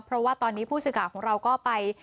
เพราะว่าตอนนี้ผู้สื่อข่าวของเราก็ไป